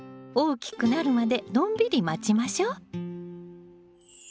大きくなるまでのんびり待ちましょ。